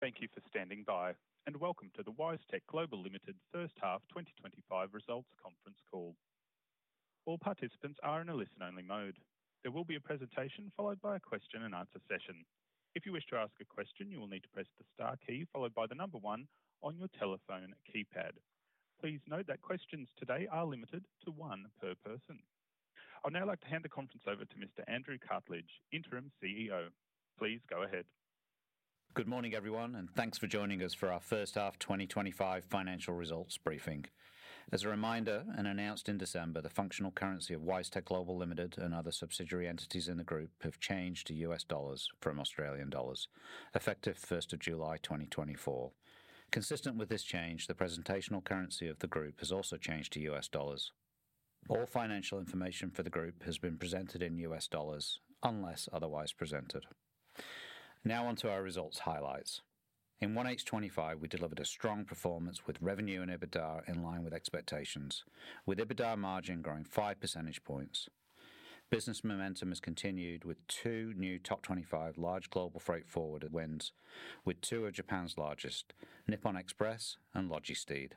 Thank you for standing by, and welcome to the WiseTech Global Limited First Half 2025 results conference call. All participants are in a listen-only mode. There will be a presentation followed by a question-and-answer session. If you wish to ask a question, you will need to press the star key followed by the number one on your telephone keypad. Please note that questions today are limited to one per person. I'd now like to hand the conference over to Mr. Andrew Cartledge, Interim CEO. Please go ahead. Good morning, everyone, and thanks for joining us for our First Half 2025 financial results briefing. As a reminder, and announced in December, the functional currency of WiseTech Global Limited and other subsidiary entities in the Group have changed to US dollars from Australian dollars, effective 1 July 2024. Consistent with this change, the presentational currency of the Group has also changed to US dollars. All financial information for the Group has been presented in US dollars, unless otherwise presented. Now onto our results highlights. In 1H25, we delivered a strong performance with revenue and EBITDA in line with expectations, with EBITDA margin growing five percentage points. Business momentum has continued with two new top 25 large global freight forward wins, with two of Japan's largest, Nippon Express and LOGISTEED,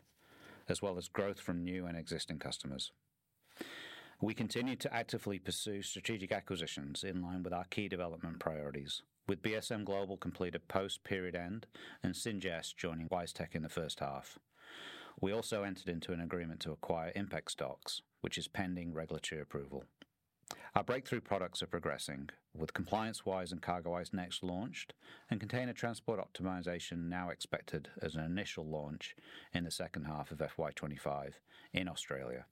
as well as growth from new and existing customers. We continue to actively pursue strategic acquisitions in line with our key development priorities, with BSM Global completed post-period end and Singeste joining WiseTech in the first half. We also entered into an agreement to acquire ImpexDocs, which is pending regulatory approval. Our breakthrough products are progressing, with ComplianceWise and CargoWise Next launched, and Container Transport Optimization now expected as an initial launch in the second half of FY 2025 in Australia.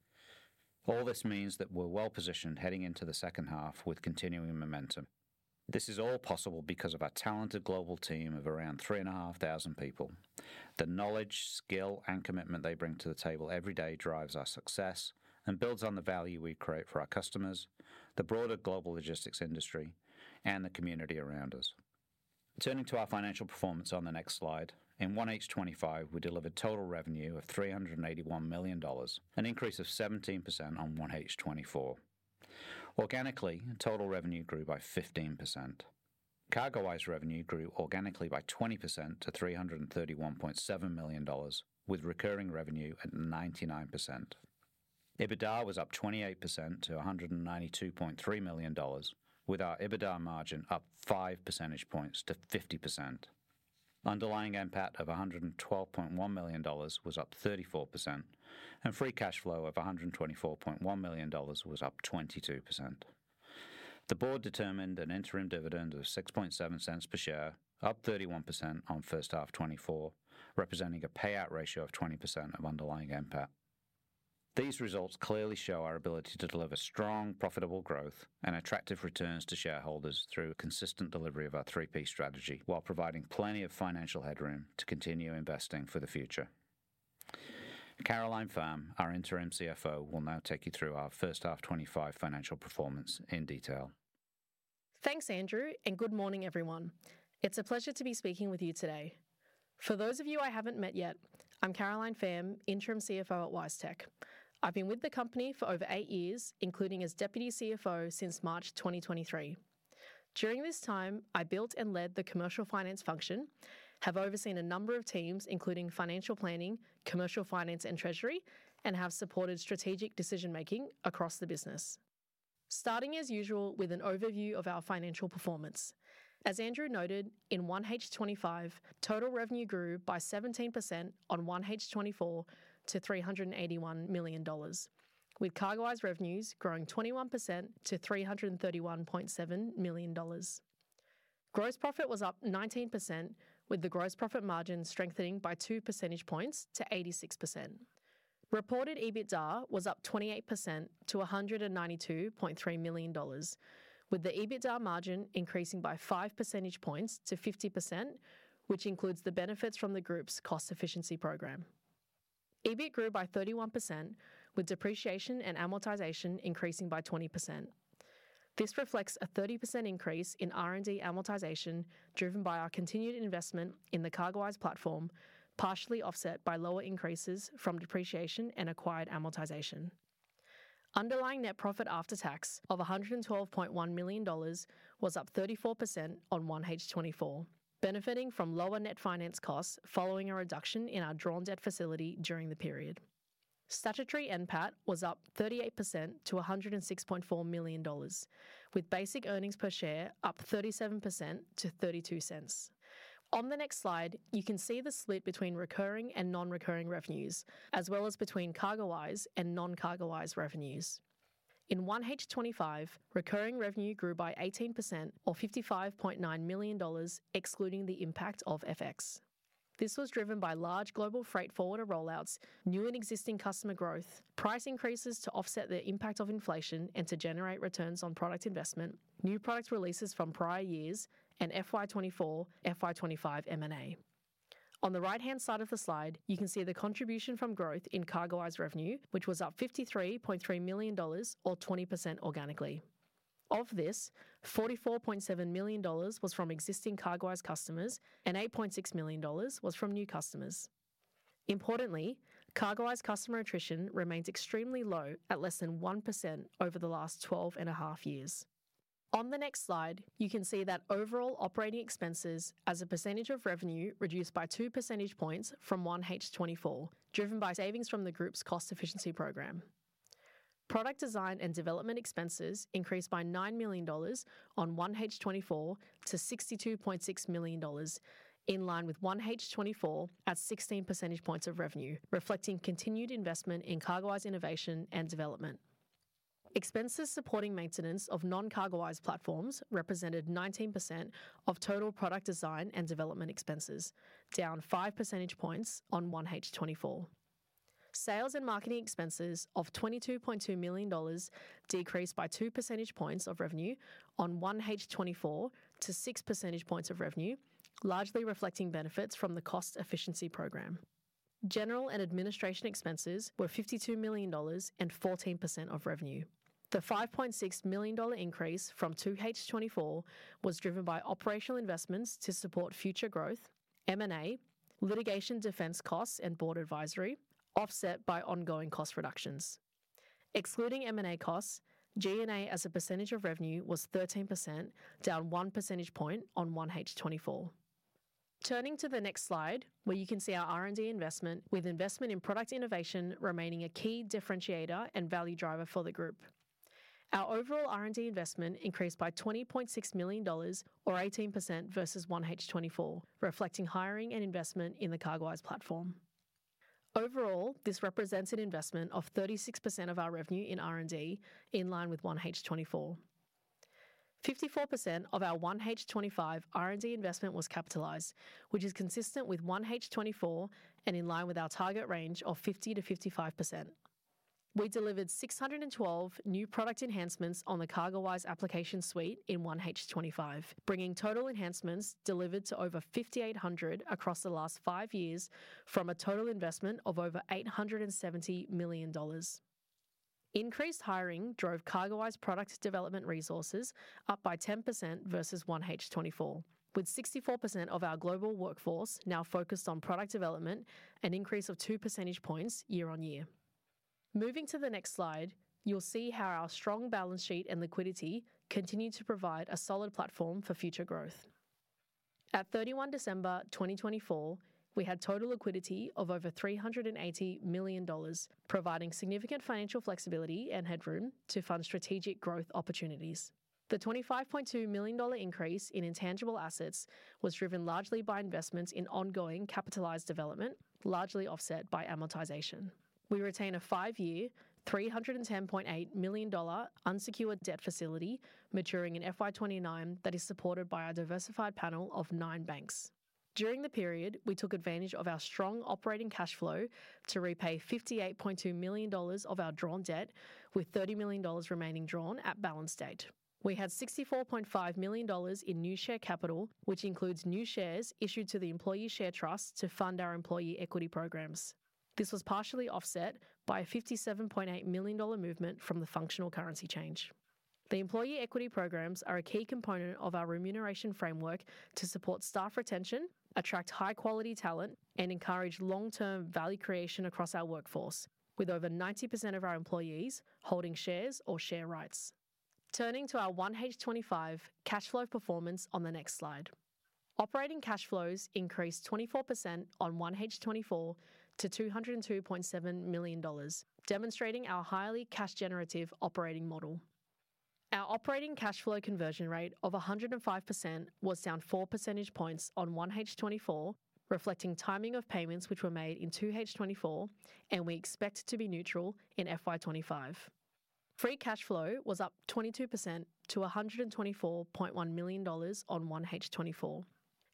All this means that we're well positioned heading into the second half with continuing momentum. This is all possible because of our talented global team of around three and a half thousand people. The knowledge, skill, and commitment they bring to the table every day drives our success and builds on the value we create for our customers, the broader global logistics industry, and the community around us. Turning to our financial performance on the next slide, in 2025, we delivered total revenue of 381 million dollars, an increase of 17% on 2024. Organically, total revenue grew by 15%. CargoWise revenue grew organically by 20% to 331.7 million dollars, with recurring revenue at 99%. EBITDA was up 28% to 192.3 million dollars, with our EBITDA margin up five percentage points to 50%. Underlying NPAT of AUD 112.1 million was up 34%, and free cash flow of AUD 124.1 million was up 22%. The board determined an interim dividend of 0.067 per share, up 31% on first half 2024, representing a payout ratio of 20% of Underlying NPAT. These results clearly show our ability to deliver strong, profitable growth and attractive returns to shareholders through a consistent delivery of our 3P strategy, while providing plenty of financial headroom to continue investing for the future. Caroline Pham, our Interim CFO, will now take you through our First Half 2025 financial performance in detail. Thanks, Andrew, and good morning, everyone. It's a pleasure to be speaking with you today. For those of you I haven't met yet, I'm Caroline Pham, Interim CFO at WiseTech. I've been with the company for over eight years, including as Deputy CFO since March 2023. During this time, I built and led the commercial finance function, have overseen a number of teams, including financial planning, commercial finance, and treasury, and have supported strategic decision-making across the business. Starting, as usual, with an overview of our financial performance. As Andrew noted, in 2025, total revenue grew by 17% on 2024 to 381 million dollars, with CargoWise revenues growing 21% to 331.7 million dollars. Gross profit was up 19%, with the gross profit margin strengthening by two percentage points to 86%. Reported EBITDA was up 28% to 192.3 million dollars, with the EBITDA margin increasing by five percentage points to 50%, which includes the benefits from the Group's cost efficiency program. EBIT grew by 31%, with depreciation and amortization increasing by 20%. This reflects a 30% increase in R&D amortization driven by our continued investment in the CargoWise platform, partially offset by lower increases from depreciation and acquired amortization. Underlying net profit after tax of 112.1 million dollars was up 34% on 1H24, benefiting from lower net finance costs following a reduction in our drawn debt facility during the period. Statutory NPAT was up 38% to 106.4 million dollars, with basic earnings per share up 37% to 0.32. On the next slide, you can see the split between recurring and non-recurring revenues, as well as between CargoWise and non-CargoWise revenues. In FY 2025, recurring revenue grew by 18% or 55.9 million dollars, excluding the impact of FX. This was driven by large global freight forwarder rollouts, new and existing customer growth, price increases to offset the impact of inflation and to generate returns on product investment, new product releases from prior years, and FY 2024, FY 2025 M&A. On the right-hand side of the slide, you can see the contribution from growth in CargoWise revenue, which was up 53.3 million dollars or 20% organically. Of this, 44.7 million dollars was from existing CargoWise customers, and 8.6 million dollars was from new customers. Importantly, CargoWise customer attrition remains extremely low at less than 1% over the last 12 and a half years. On the next slide, you can see that overall operating expenses as a percentage of revenue reduced by two percentage points from FY 2024, driven by savings from the Group's cost efficiency program. Product design and development expenses increased by $9 million on 1H24 to $62.6 million, in line with 1H24 at 16 percentage points of revenue, reflecting continued investment in CargoWise innovation and development. Expenses supporting maintenance of non-CargoWise platforms represented 19% of total product design and development expenses, down five percentage points on 1H24. Sales and marketing expenses of $22.2 million decreased by two percentage points of revenue on 1H24 to six percentage points of revenue, largely reflecting benefits from the cost efficiency program. General and administration expenses were $52 million and 14% of revenue. The $5.6 million increase from 2H24 was driven by operational investments to support future growth, M&A, litigation defense costs, and board advisory, offset by ongoing cost reductions. Excluding M&A costs, G&A as a percentage of revenue was 13%, down one percentage point on 1H24. Turning to the next slide, where you can see our R&D investment, with investment in product innovation remaining a key differentiator and value driver for the Group. Our overall R&D investment increased by 20.6 million dollars or 18% versus 2024, reflecting hiring and investment in the CargoWise platform. Overall, this represents an investment of 36% of our revenue in R&D, in line with 2024. 54% of our 2025 R&D investment was capitalized, which is consistent with 2024 and in line with our target range of 50%-55%. We delivered 612 new product enhancements on the CargoWise application suite in 2025, bringing total enhancements delivered to over 5,800 across the last five years from a total investment of over 870 million dollars. Increased hiring drove CargoWise product development resources up by 10% versus 2023, with 64% of our global workforce now focused on product development, an increase of two percentage points year-on-year. Moving to the next slide, you'll see how our strong balance sheet and liquidity continue to provide a solid platform for future growth. At 31 December 2024, we had total liquidity of over 380 million dollars, providing significant financial flexibility and headroom to fund strategic growth opportunities. The 25.2 million dollar increase in intangible assets was driven largely by investments in ongoing capitalized development, largely offset by amortization. We retain a five-year, 310.8 million dollar unsecured debt facility maturing in FY 2029 that is supported by our diversified panel of nine banks. During the period, we took advantage of our strong operating cash flow to repay 58.2 million dollars of our drawn debt, with 30 million dollars remaining drawn at balance date. We had 64.5 million dollars in new share capital, which includes new shares issued to the Employee Share Trust to fund our employee equity programs. This was partially offset by a 57.8 million dollar movement from the functional currency change. The employee equity programs are a key component of our remuneration framework to support staff retention, attract high-quality talent, and encourage long-term value creation across our workforce, with over 90% of our employees holding shares or share rights. Turning to our 1H25 cash flow performance on the next slide. Operating cash flows increased 24% on 1H24 to 202.7 million dollars, demonstrating our highly cash-generative operating model. Our operating cash flow conversion rate of 105% was down four percentage points on 1H24, and we expect to be neutral in FY 2025. Free cash flow was up 22% to $124.1 million in 2024,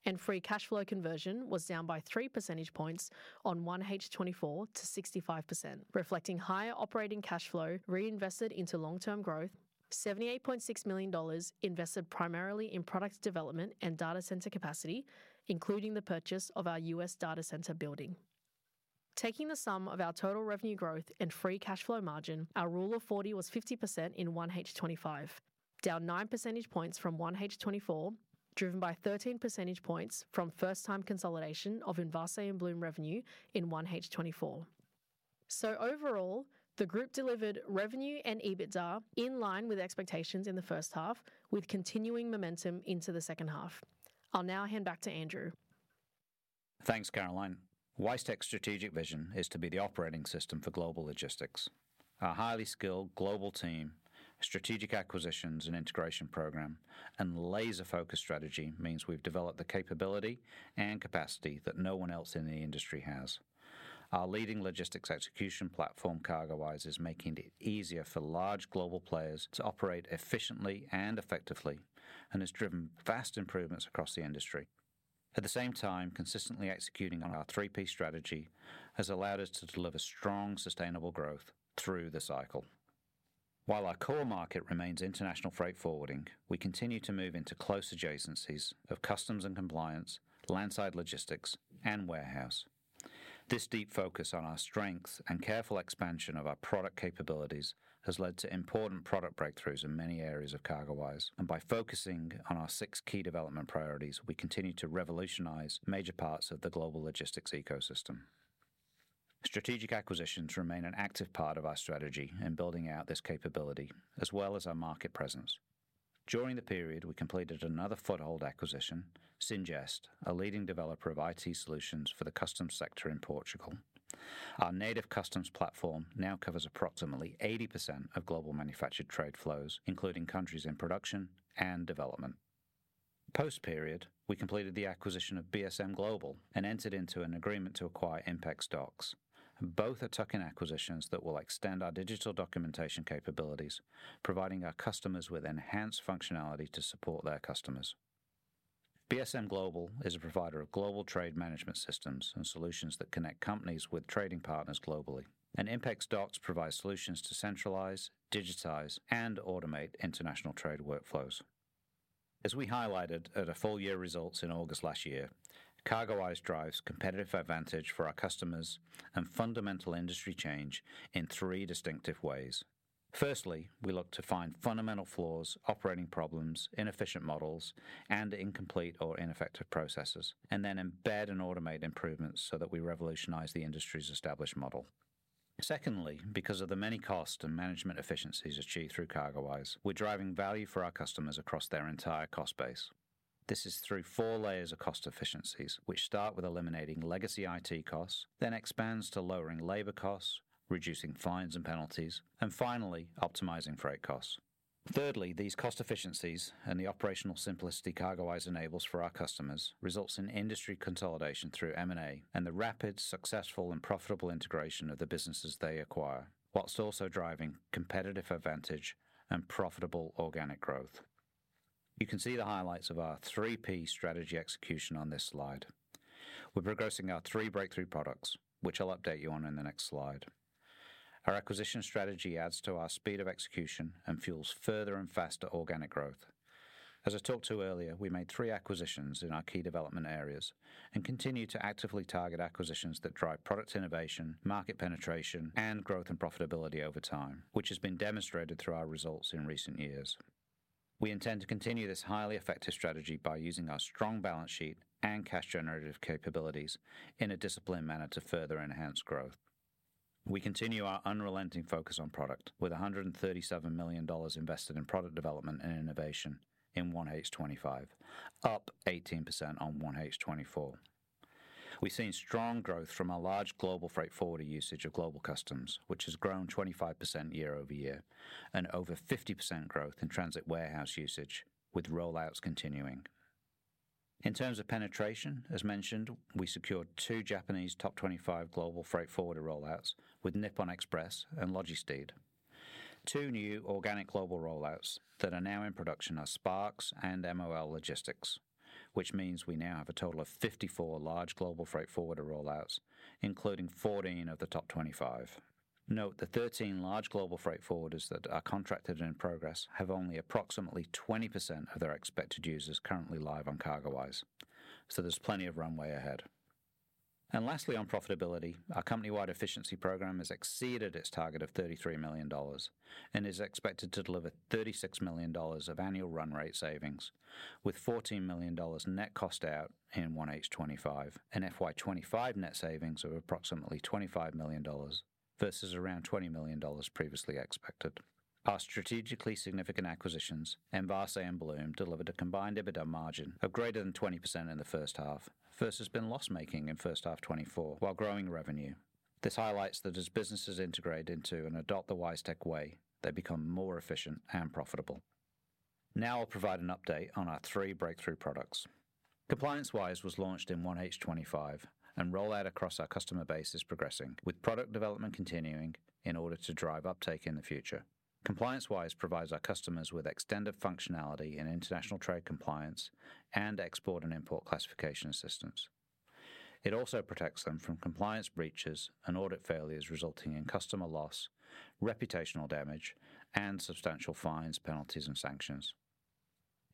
and free cash flow conversion was down by three percentage points in 2024 to 65%, reflecting higher operating cash flow reinvested into long-term growth, $78.6 million invested primarily in product development and data center capacity, including the purchase of our U.S. data center building. Taking the sum of our total revenue growth and free cash flow margin, our Rule of 40 was 50% in 2025, down nine percentage points from 2024, driven by 13 percentage points from first-time consolidation of Envase and Blume Global revenue in 2024. So overall, the Group delivered revenue and EBITDA in line with expectations in the first half, with continuing momentum into the second half. I'll now hand back to Andrew. Thanks, Caroline. WiseTech's strategic vision is to be the operating system for global logistics. Our highly skilled global team, strategic acquisitions and integration program, and laser-focused strategy means we've developed the capability and capacity that no one else in the industry has. Our leading logistics execution platform, CargoWise, is making it easier for large global players to operate efficiently and effectively and has driven vast improvements across the industry. At the same time, consistently executing on our 3P strategy has allowed us to deliver strong, sustainable growth through the cycle. While our core market remains international freight forwarding, we continue to move into close adjacencies of customs and compliance, landside logistics, and warehouse. This deep focus on our strengths and careful expansion of our product capabilities has led to important product breakthroughs in many areas of CargoWise, and by focusing on our six key development priorities, we continue to revolutionize major parts of the global logistics ecosystem. Strategic acquisitions remain an active part of our strategy in building out this capability, as well as our market presence. During the period, we completed another foothold acquisition, Singeste, a leading developer of IT solutions for the customs sector in Portugal. Our native customs platform now covers approximately 80% of global manufactured trade flows, including countries in production and development. Post-period, we completed the acquisition of BSM Global and entered into an agreement to acquire ImpexDocs. Both are tuck-in acquisitions that will extend our digital documentation capabilities, providing our customers with enhanced functionality to support their customers. BSM Global is a provider of global trade management systems and solutions that connect companies with trading partners globally, and ImpexDocs provides solutions to centralize, digitize, and automate international trade workflows. As we highlighted at our full-year results in August last year, CargoWise drives competitive advantage for our customers and fundamental industry change in three distinctive ways. Firstly, we look to find fundamental flaws, operating problems, inefficient models, and incomplete or ineffective processes, and then embed and automate improvements so that we revolutionize the industry's established model. Secondly, because of the many costs and management efficiencies achieved through CargoWise, we're driving value for our customers across their entire cost base. This is through four layers of cost efficiencies, which start with eliminating legacy IT costs, then expands to lowering labor costs, reducing fines and penalties, and finally, optimizing freight costs. Thirdly, these cost efficiencies and the operational simplicity CargoWise enables for our customers results in industry consolidation through M&A and the rapid, successful, and profitable integration of the businesses they acquire, while also driving competitive advantage and profitable organic growth. You can see the highlights of our 3P strategy execution on this slide. We're progressing our three breakthrough products, which I'll update you on in the next slide. Our acquisition strategy adds to our speed of execution and fuels further and faster organic growth. As I talked to earlier, we made three acquisitions in our key development areas and continue to actively target acquisitions that drive product innovation, market penetration, and growth and profitability over time, which has been demonstrated through our results in recent years. We intend to continue this highly effective strategy by using our strong balance sheet and cash-generative capabilities in a disciplined manner to further enhance growth. We continue our unrelenting focus on product with 137 million dollars invested in product development and innovation in 2025, up 18% on 2024. We've seen strong growth from our large global freight forwarder usage of global customs, which has grown 25% year-over-year, and over 50% growth in transit warehouse usage, with rollouts continuing. In terms of penetration, as mentioned, we secured two Japanese top 25 global freight forwarder rollouts with Nippon Express and LOGISTEED. Two new organic global rollouts that are now in production are SPARX and MOL Logistics, which means we now have a total of 54 large global freight forwarder rollouts, including 14 of the top 25. Note the 13 large global freight forwarders that are contracted in progress have only approximately 20% of their expected users currently live on CargoWise, so there's plenty of runway ahead. Lastly, on profitability, our company-wide efficiency program has exceeded its target of 33 million dollars and is expected to deliver 36 million dollars of annual run rate savings, with 14 million dollars net cost out in 1H25 and FY 2025 net savings of approximately 25 million dollars versus around 20 million dollars previously expected. Our strategically significant acquisitions, Envase and Blume, delivered a combined EBITDA margin of greater than 20% in the first half versus being loss-making in first half 2024 while growing revenue. This highlights that as businesses integrate into and adopt the WiseTech way, they become more efficient and profitable. Now I'll provide an update on our three breakthrough products. ComplianceWise was launched in 2023, and rollout across our customer base is progressing, with product development continuing in order to drive uptake in the future. ComplianceWise provides our customers with extended functionality in international trade compliance and export and import classification assistance. It also protects them from compliance breaches and audit failures resulting in customer loss, reputational damage, and substantial fines, penalties, and sanctions.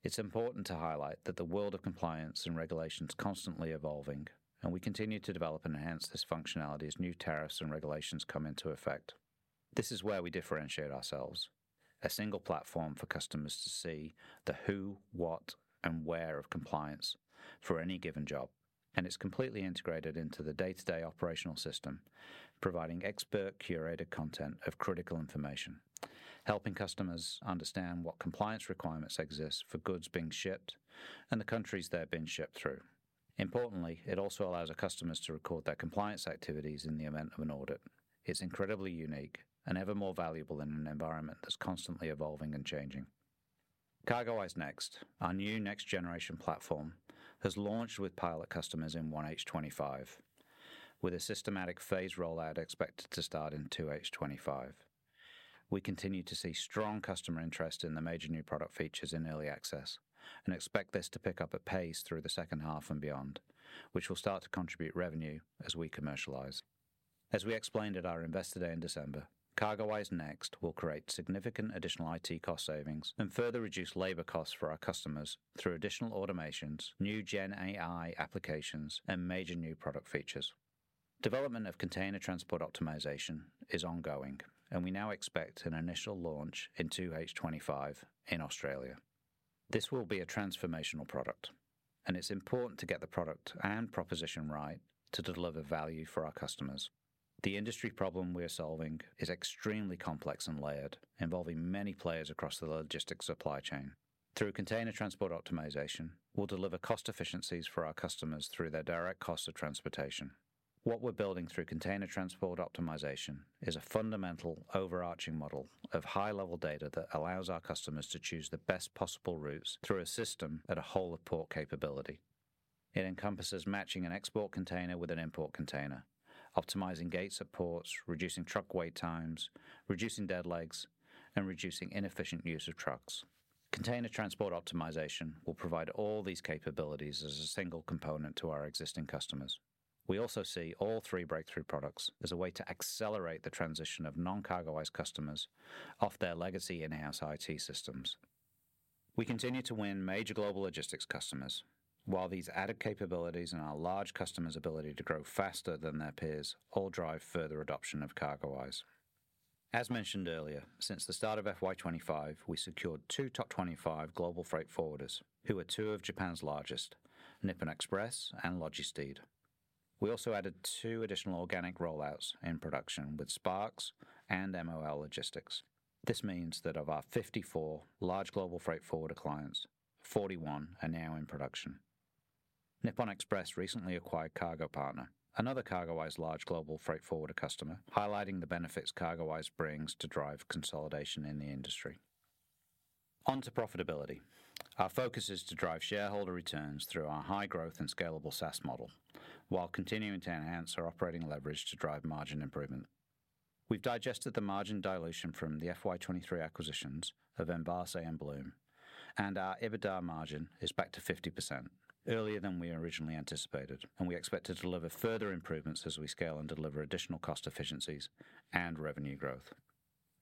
It's important to highlight that the world of compliance and regulation is constantly evolving, and we continue to develop and enhance this functionality as new tariffs and regulations come into effect. This is where we differentiate ourselves, a single platform for customers to see the who, what, and where of compliance for any given job, and it's completely integrated into the day-to-day operational system, providing expert-curated content of critical information, helping customers understand what compliance requirements exist for goods being shipped and the countries they've been shipped through. Importantly, it also allows our customers to record their compliance activities in the event of an audit. It's incredibly unique and ever more valuable in an environment that's constantly evolving and changing. CargoWise Next, our new next-generation platform, has launched with pilot customers in 2025, with a systematic phase rollout expected to start in 2028. We continue to see strong customer interest in the major new product features in early access and expect this to pick up at pace through the second half and beyond, which will start to contribute revenue as we commercialize. As we explained at our investor day in December, CargoWise Next will create significant additional IT cost savings and further reduce labor costs for our customers through additional automations, new Gen AI applications, and major new product features. Development of container transport optimization is ongoing, and we now expect an initial launch in 2025 in Australia. This will be a transformational product, and it's important to get the product and proposition right to deliver value for our customers. The industry problem we are solving is extremely complex and layered, involving many players across the logistics supply chain. Through Container Transport Optimization, we'll deliver cost efficiencies for our customers through their direct cost of transportation. What we're building through Container Transport Optimization is a fundamental overarching model of high-level data that allows our customers to choose the best possible routes through a system at a whole-of-port capability. It encompasses matching an export container with an import container, optimizing gate supports, reducing truck wait times, reducing dead legs, and reducing inefficient use of trucks. Container Transport Optimization will provide all these capabilities as a single component to our existing customers. We also see all three breakthrough products as a way to accelerate the transition of non-CargoWise customers off their legacy in-house IT systems. We continue to win major global logistics customers, while these added capabilities and our large customers' ability to grow faster than their peers all drive further adoption of CargoWise. As mentioned earlier, since the start of FY 2025, we secured two top 25 global freight forwarders who are two of Japan's largest, Nippon Express and LOGISTEED. We also added two additional organic rollouts in production with SPARX and MOL Logistics. This means that of our 54 large global freight forwarder clients, 41 are now in production. Nippon Express recently acquired cargo-partner, another CargoWise large global freight forwarder customer, highlighting the benefits CargoWise brings to drive consolidation in the industry. Onto profitability. Our focus is to drive shareholder returns through our high-growth and scalable SaaS model, while continuing to enhance our operating leverage to drive margin improvement. We've digested the margin dilution from the FY 2023 acquisitions of Envase and Blume, and our EBITDA margin is back to 50%, earlier than we originally anticipated, and we expect to deliver further improvements as we scale and deliver additional cost efficiencies and revenue growth.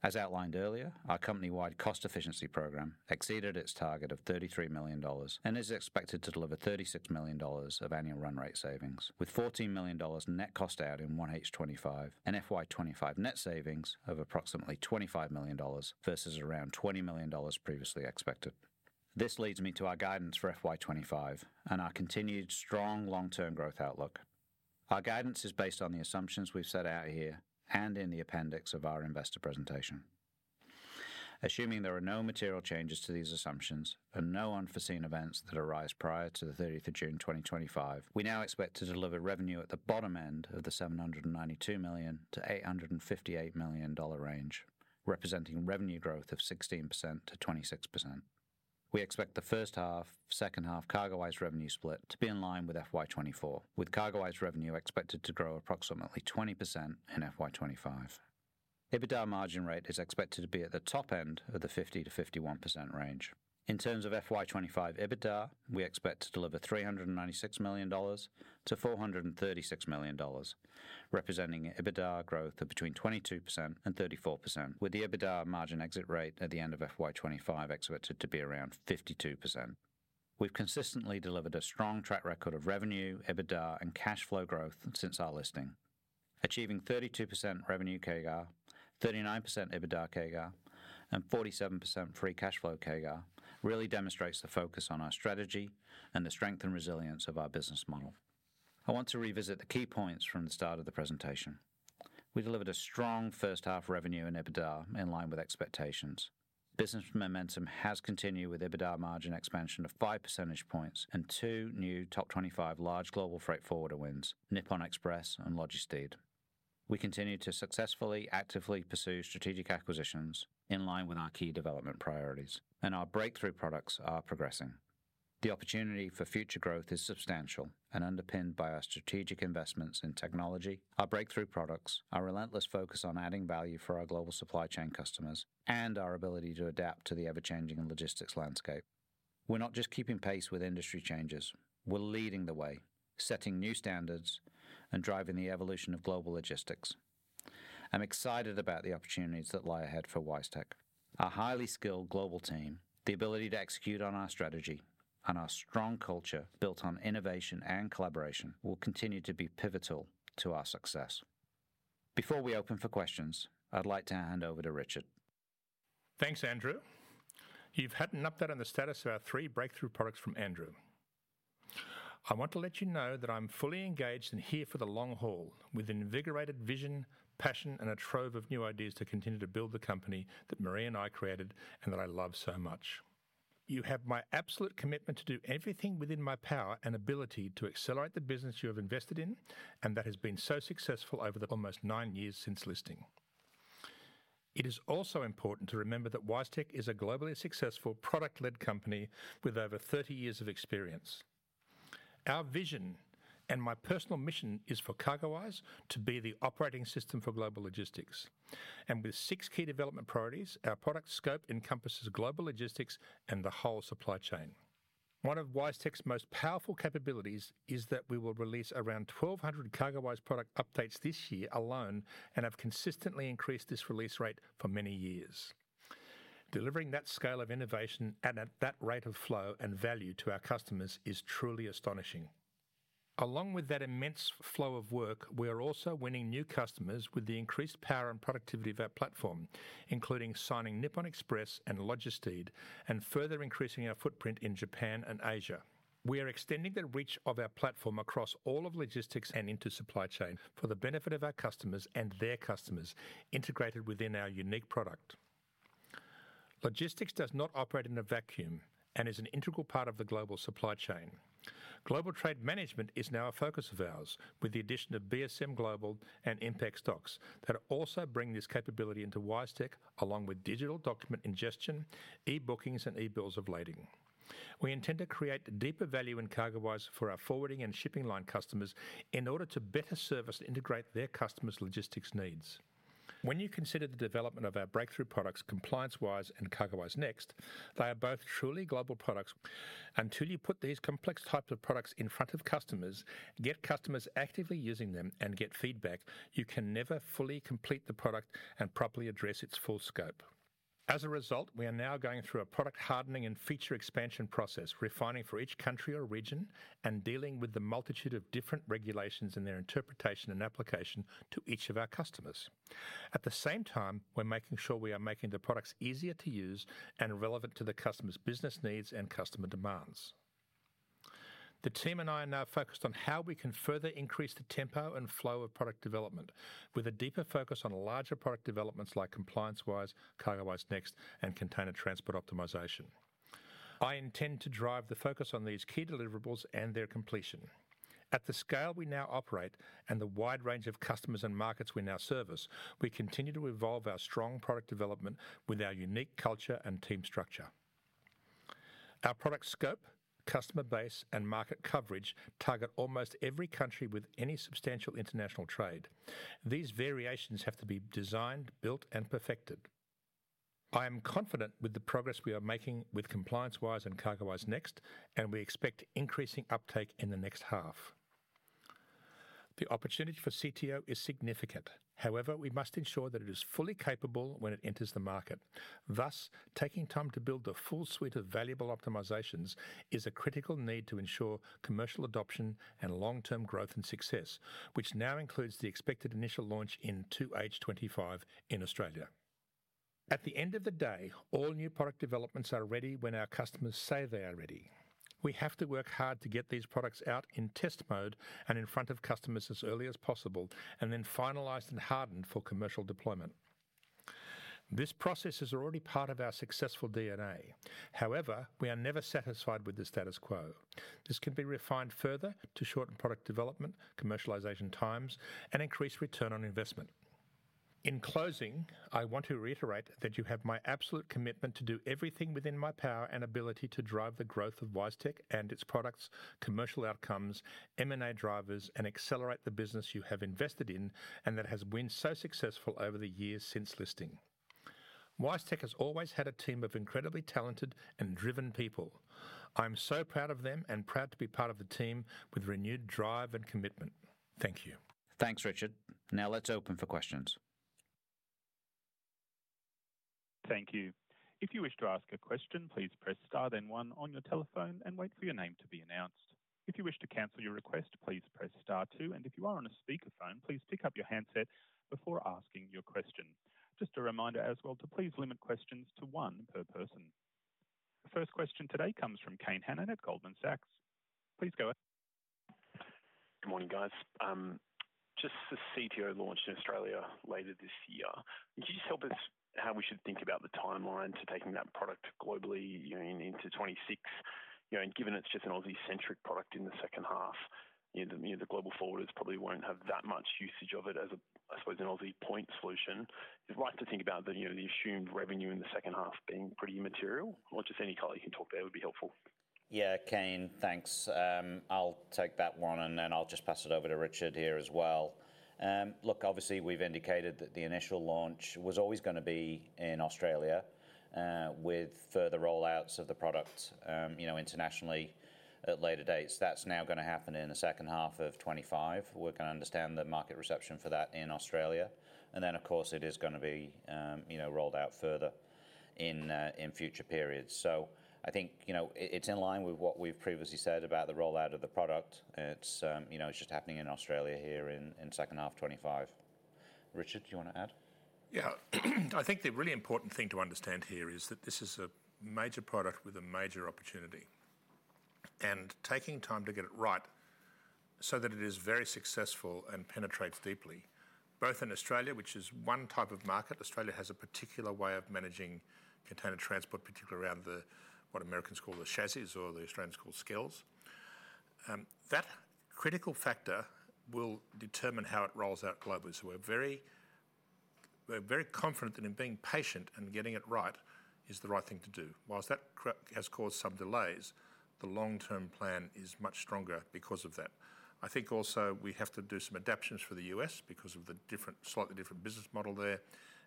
As outlined earlier, our company-wide cost efficiency program exceeded its target of 33 million dollars and is expected to deliver 36 million dollars of annual run rate savings, with 14 million dollars net cost out in FY 2024 and FY 2025 net savings of approximately 25 million dollars versus around 20 million dollars previously expected. This leads me to our guidance for FY 2025 and our continued strong long-term growth outlook. Our guidance is based on the assumptions we've set out here and in the appendix of our investor presentation. Assuming there are no material changes to these assumptions and no unforeseen events that arise prior to the 30th of June 2025, we now expect to deliver revenue at the bottom end of the 792 million-858 million dollar range, representing revenue growth of 16%-26%. We expect the first half, second half CargoWise revenue split to be in line with FY 2024, with CargoWise revenue expected to grow approximately 20% in FY 2025. EBITDA margin rate is expected to be at the top end of the 50%-51% range. In terms of FY 2025 EBITDA, we expect to deliver 396 million-436 million dollars, representing EBITDA growth of between 22% and 34%, with the EBITDA margin exit rate at the end of FY 2025 expected to be around 52%. We've consistently delivered a strong track record of revenue, EBITDA, and cash flow growth since our listing. Achieving 32% revenue CAGR, 39% EBITDA CAGR, and 47% free cash flow CAGR really demonstrates the focus on our strategy and the strength and resilience of our business model. I want to revisit the key points from the start of the presentation. We delivered a strong first half revenue and EBITDA in line with expectations. Business momentum has continued with EBITDA margin expansion of five percentage points and two new top 25 large global freight forwarder wins: Nippon Express and LOGISTEED. We continue to successfully actively pursue strategic acquisitions in line with our key development priorities, and our breakthrough products are progressing. The opportunity for future growth is substantial and underpinned by our strategic investments in technology, our breakthrough products, our relentless focus on adding value for our global supply chain customers, and our ability to adapt to the ever-changing logistics landscape. We're not just keeping pace with industry changes. We're leading the way, setting new standards, and driving the evolution of global logistics. I'm excited about the opportunities that lie ahead for WiseTech. Our highly skilled global team, the ability to execute on our strategy, and our strong culture built on innovation and collaboration will continue to be pivotal to our success. Before we open for questions, I'd like to hand over to Richard. Thanks, Andrew. You've heard an update on the status of our three breakthrough products from Andrew. I want to let you know that I'm fully engaged and here for the long haul with invigorated vision, passion, and a trove of new ideas to continue to build the company that Maree and I created and that I love so much. You have my absolute commitment to do everything within my power and ability to accelerate the business you have invested in and that has been so successful over the almost nine years since listing. It is also important to remember that WiseTech is a globally successful product-led company with over 30 years of experience. Our vision and my personal mission is for CargoWise to be the operating system for global logistics, and with six key development priorities, our product scope encompasses global logistics and the whole supply chain. One of WiseTech's most powerful capabilities is that we will release around 1,200 CargoWise product updates this year alone and have consistently increased this release rate for many years. Delivering that scale of innovation and at that rate of flow and value to our customers is truly astonishing. Along with that immense flow of work, we are also winning new customers with the increased power and productivity of our platform, including signing Nippon Express and LOGISTEED and further increasing our footprint in Japan and Asia. We are extending the reach of our platform across all of logistics and into supply chain for the benefit of our customers and their customers integrated within our unique product. Logistics does not operate in a vacuum and is an integral part of the global supply chain. Global trade management is now a focus of ours with the addition of BSM Global and ImpexDocs that also bring this capability into WiseTech along with digital document ingestion, e-bookings, and e-bills of lading. We intend to create deeper value in CargoWise for our forwarding and shipping line customers in order to better service and integrate their customers' logistics needs. When you consider the development of our breakthrough products, ComplianceWise and CargoWise Next, they are both truly global products. Until you put these complex types of products in front of customers, get customers actively using them, and get feedback, you can never fully complete the product and properly address its full scope. As a result, we are now going through a product hardening and feature expansion process, refining for each country or region and dealing with the multitude of different regulations and their interpretation and application to each of our customers. At the same time, we're making sure we are making the products easier to use and relevant to the customer's business needs and customer demands. The team and I are now focused on how we can further increase the tempo and flow of product development with a deeper focus on larger product developments like ComplianceWise, CargoWise Next, and Container Transport Optimization. I intend to drive the focus on these key deliverables and their completion. At the scale we now operate and the wide range of customers and markets we now service, we continue to evolve our strong product development with our unique culture and team structure. Our product scope, customer base, and market coverage target almost every country with any substantial international trade. These variations have to be designed, built, and perfected. I am confident with the progress we are making with ComplianceWise and CargoWise Next, and we expect increasing uptake in the next half. The opportunity for CTO is significant. However, we must ensure that it is fully capable when it enters the market. Thus, taking time to build the full suite of valuable optimizations is a critical need to ensure commercial adoption and long-term growth and success, which now includes the expected initial launch in 2025 in Australia. At the end of the day, all new product developments are ready when our customers say they are ready. We have to work hard to get these products out in test mode and in front of customers as early as possible and then finalized and hardened for commercial deployment. This process is already part of our successful DNA. However, we are never satisfied with the status quo. This can be refined further to shorten product development, commercialization times, and increase return on investment. In closing, I want to reiterate that you have my absolute commitment to do everything within my power and ability to drive the growth of WiseTech and its products, commercial outcomes, M&A drivers, and accelerate the business you have invested in and that has been so successful over the years since listing. WiseTech has always had a team of incredibly talented and driven people. I'm so proud of them and proud to be part of the team with renewed drive and commitment. Thank you. Thanks, Richard. Now let's open for questions. Thank you. If you wish to ask a question, please press Star then One on your telephone and wait for your name to be announced. If you wish to cancel your request, please press Star Two, and if you are on a speakerphone, please pick up your handset before asking your question. Just a reminder as well to please limit questions to one per person. The first question today comes from Kane Hannan at Goldman Sachs. Please go ahead. Good morning, guys. Just the CTO launched in Australia later this year. Could you just help us how we should think about the timeline to taking that product globally into 2026? Given it's just an Aussie-centric product in the second half, the global forwarders probably won't have that much usage of it as, I suppose, an Aussie point solution. Is it right to think about the assumed revenue in the second half being pretty immaterial? I'll just send you a colleague who can talk to that; it would be helpful. Yeah, Kane, thanks. I'll take that one, and then I'll just pass it over to Richard here as well. Look, obviously, we've indicated that the initial launch was always going to be in Australia with further rollouts of the product internationally at later dates. That's now going to happen in the second half of 2025. We're going to understand the market reception for that in Australia. And then, of course, it is going to be rolled out further in future periods. So I think it's in line with what we've previously said about the rollout of the product. It's just happening in Australia here in second half 2025. Richard, do you want to add? Yeah. I think the really important thing to understand here is that this is a major product with a major opportunity and taking time to get it right so that it is very successful and penetrates deeply, both in Australia, which is one type of market. Australia has a particular way of managing container transport, particularly around what Americans call the chassis or the Australians call skels. That critical factor will determine how it rolls out globally. So we're very confident that in being patient and getting it right is the right thing to do. While that has caused some delays, the long-term plan is much stronger because of that. I think also we have to do some adaptations for the U.S. because of the slightly different business model there,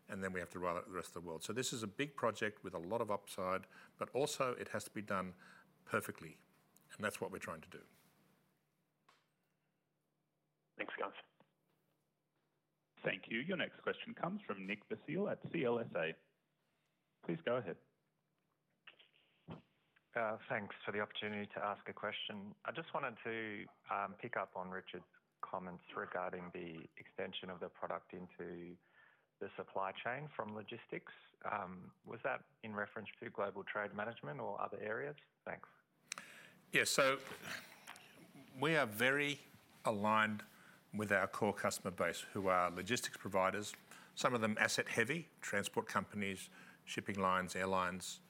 and then we have to roll out the rest of the world. So this is a big project with a lot of upside, but also it has to be done perfectly, and that's what we're trying to do. Thanks, guys. Thank you. Your next question comes from Nick Basile at CLSA. Please go ahead. Thanks for the opportunity to ask a question. I just wanted to pick up on Richard's comments regarding the extension of the product into the supply chain from logistics. Was that in reference to global trade management or other areas? Thanks. Yeah, so we are very aligned with our core customer base who are logistics providers, some of them asset-heavy transport companies, shipping lines, airlines,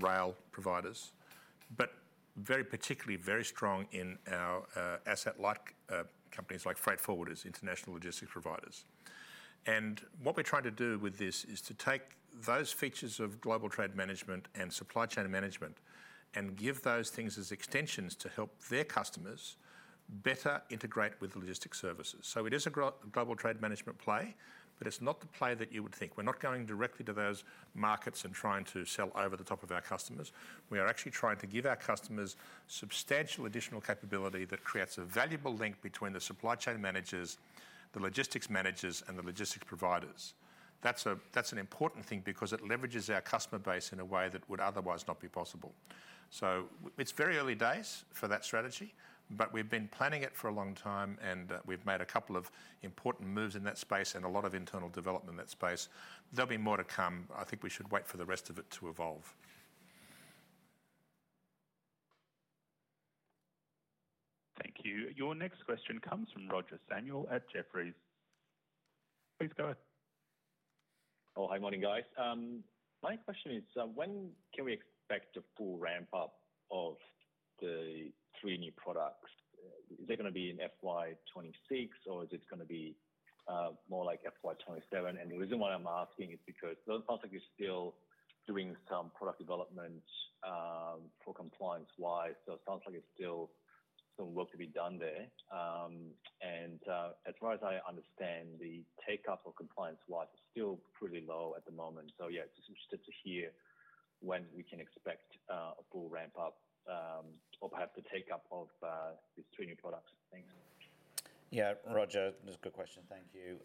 rail providers, but very particularly very strong in our asset-like companies like freight forwarders, international logistics providers. And what we're trying to do with this is to take those features of global trade management and supply chain management and give those things as extensions to help their customers better integrate with the logistics services. So it is a global trade management play, but it's not the play that you would think. We're not going directly to those markets and trying to sell over the top of our customers. We are actually trying to give our customers substantial additional capability that creates a valuable link between the supply chain managers, the logistics managers, and the logistics providers. That's an important thing because it leverages our customer base in a way that would otherwise not be possible. So it's very early days for that strategy, but we've been planning it for a long time, and we've made a couple of important moves in that space and a lot of internal development in that space. There'll be more to come. I think we should wait for the rest of it to evolve. Thank you. Your next question comes from Roger Samuel at Jefferies. Please go ahead. Oh, hey, morning, guys. My question is, when can we expect a full ramp-up of the three new products? Is it going to be in FY 2026, or is it going to be more like FY 2027? And the reason why I'm asking is because it sounds like you're still doing some product development for ComplianceWise, so it sounds like there's still some work to be done there. And as far as I understand, the take-up of ComplianceWise is still pretty low at the moment. So yeah, it's interesting to hear when we can expect a full ramp-up or perhaps the take-up of these three new products. Thanks. Yeah, Roger, that's a good question. Thank you.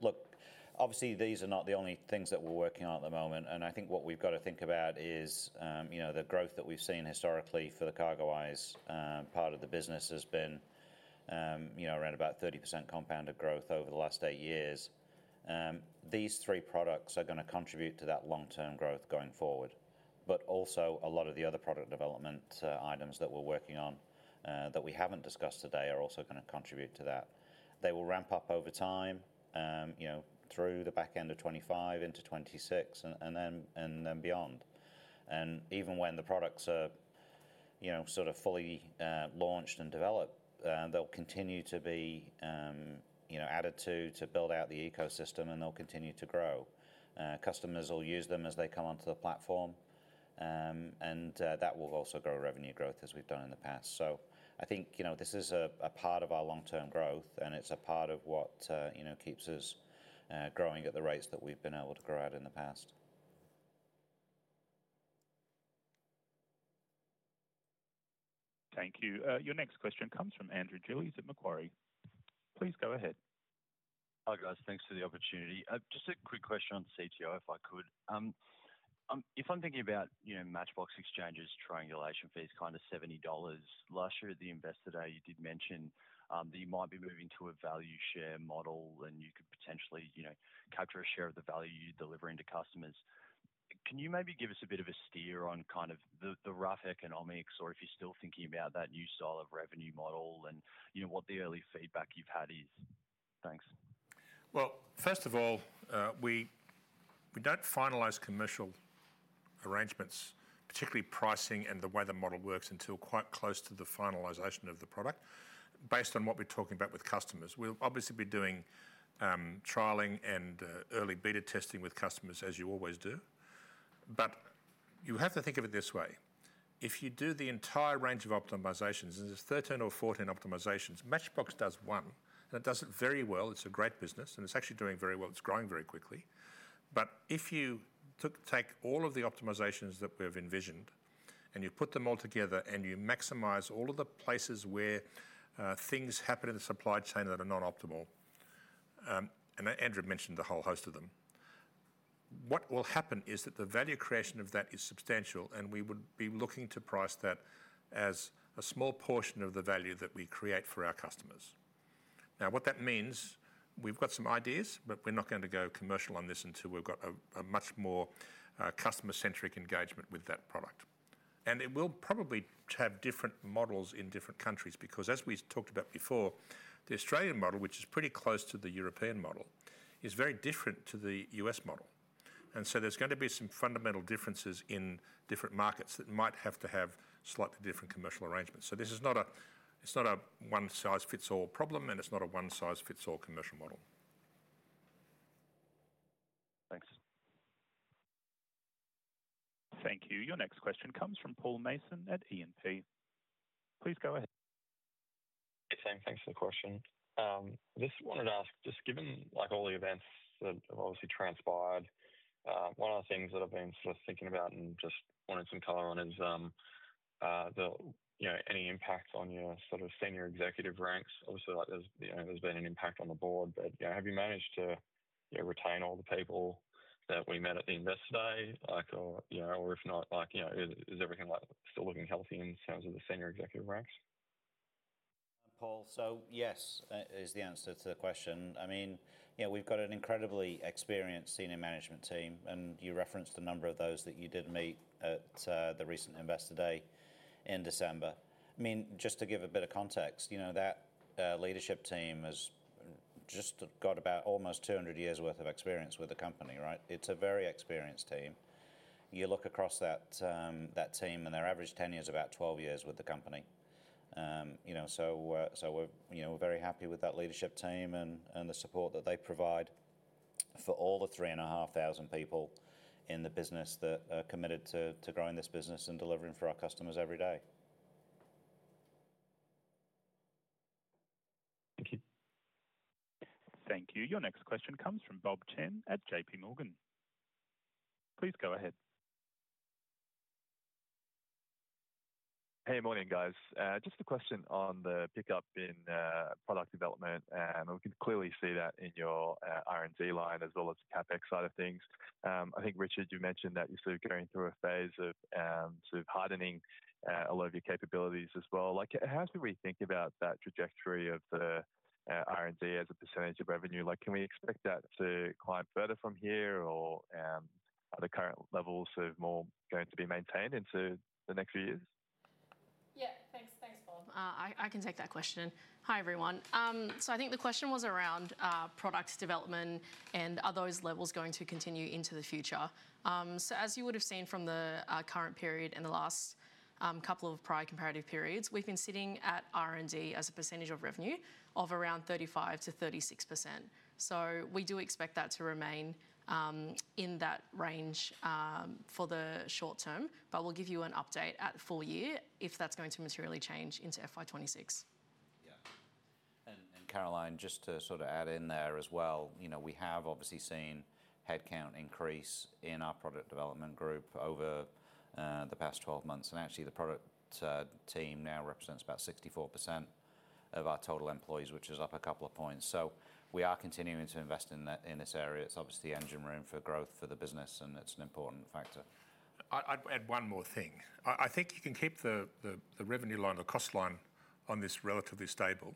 Look, obviously, these are not the only things that we're working on at the moment, and I think what we've got to think about is the growth that we've seen historically for the CargoWise part of the business has been around about 30% compounded growth over the last eight years. These three products are going to contribute to that long-term growth going forward, but also a lot of the other product development items that we're working on that we haven't discussed today are also going to contribute to that. They will ramp up over time through the back end of 2025 into 2026 and then beyond, and even when the products are sort of fully launched and developed, they'll continue to be added to to build out the ecosystem, and they'll continue to grow. Customers will use them as they come onto the platform, and that will also grow revenue growth as we've done in the past, so I think this is a part of our long-term growth, and it's a part of what keeps us growing at the rates that we've been able to grow at in the past. Thank you. Your next question comes from Andrew Gillies at Macquarie. Please go ahead. Hi, guys. Thanks for the opportunity. Just a quick question on CTO, if I could. If I'm thinking about MatchBox Exchange, triangulation fees, kind of $70, last year at the investor day, you did mention that you might be moving to a value share model, and you could potentially capture a share of the value you're delivering to customers. Can you maybe give us a bit of a steer on kind of the rough economics or if you're still thinking about that new style of revenue model and what the early feedback you've had is? Thanks. Well, first of all, we don't finalize commercial arrangements, particularly pricing and the way the model works, until quite close to the finalization of the product based on what we're talking about with customers. We'll obviously be doing trialing and early beta testing with customers, as you always do. But you have to think of it this way. If you do the entire range of optimizations, and there's 13 or 14 optimizations, MatchBox does one, and it does it very well. It's a great business, and it's actually doing very well. It's growing very quickly. But if you take all of the optimizations that we have envisioned and you put them all together and you maximize all of the places where things happen in the supply chain that are non-optimal, and Andrew mentioned a whole host of them, what will happen is that the value creation of that is substantial, and we would be looking to price that as a small portion of the value that we create for our customers. Now, what that means, we've got some ideas, but we're not going to go commercial on this until we've got a much more customer-centric engagement with that product. And it will probably have different models in different countries because, as we talked about before, the Australian model, which is pretty close to the European model, is very different to the U.S. model. And so there's going to be some fundamental differences in different markets that might have to have slightly different commercial arrangements. So this is not a one-size-fits-all problem, and it's not a one-size-fits-all commercial model. Thanks. Thank you. Your next question comes from Paul Mason at E&P. Please go ahead. Hey, Sam. Thanks for the question. I just wanted to ask, just given all the events that have obviously transpired, one of the things that I've been sort of thinking about and just wanting some color on is any impact on your sort of senior executive ranks. Obviously, there's been an impact on the board, but have you managed to retain all the people that we met at the investor day? Or if not, is everything still looking healthy in terms of the senior executive ranks? Paul, so yes is the answer to the question. I mean, we've got an incredibly experienced senior management team, and you referenced a number of those that you did meet at the recent investor day in December. I mean, just to give a bit of context, that leadership team has just got about almost 200 years' worth of experience with the company, right? It's a very experienced team. You look across that team, and their average tenure is about 12 years with the company. So we're very happy with that leadership team and the support that they provide for all the 3,500 people in the business that are committed to growing this business and delivering for our customers every day. Thank you. Thank you. Your next question comes from Bob Chen at J.P. Morgan. Please go ahead. Hey, morning, guys. Just a question on the pickup in product development. We can clearly see that in your R&D line as well as the CapEx side of things. I think, Richard, you mentioned that you're sort of going through a phase of sort of hardening a lot of your capabilities as well. How should we think about that trajectory of the R&D as a percentage of revenue? Can we expect that to climb further from here, or are the current levels sort of more going to be maintained into the next few years? Yeah, thanks, Paul. I can take that question. Hi, everyone. So I think the question was around product development and are those levels going to continue into the future? So as you would have seen from the current period and the last couple of prior comparative periods, we've been sitting at R&D as a percentage of revenue of around 35%-36%. So we do expect that to remain in that range for the short term, but we'll give you an update at full year if that's going to materially change into FY 2026. Yeah. And Caroline, just to sort of add in there as well, we have obviously seen headcount increase in our product development group over the past 12 months. And actually, the product team now represents about 64% of our total employees, which is up a couple of points. So we are continuing to invest in this area. It's obviously the engine room for growth for the business, and it's an important factor. I'd add one more thing. I think you can keep the revenue line or cost line on this relatively stable,